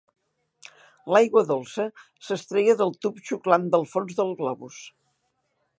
L'aigua dolça s'extreia del tub xuclant del fons del globus.